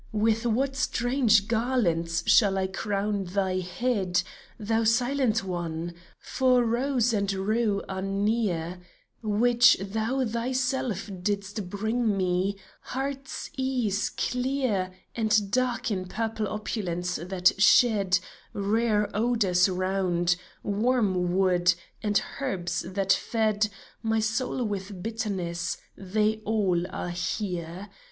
With what strange garlands shall I crown thy head, Thou silent One? For rose and rue are near Which thou thyself didst bring me ; heart's ease clear And dark in purple opulence that shed Rare odors round ; wormwood, and herbs that fed My soul with bitterness — they all are here